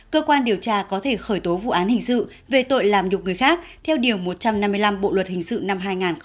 cơ quan điều tra có thể khởi tố vụ án hình sự về tội làm nhục người khác theo điều một trăm năm mươi năm bộ luật hình sự năm hai nghìn một mươi năm